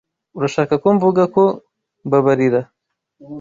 Urashaka ko mvuga ko mbabarira?